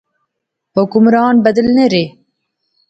حکمران بدلنے رہے